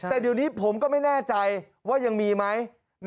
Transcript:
แต่เดี๋ยวนี้ผมก็ไม่แน่ใจว่ายังมีไหม